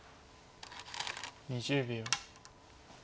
２０秒。